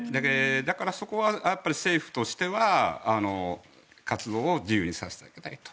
だから、そこは政府としては活動を自由にさせてあげたいと。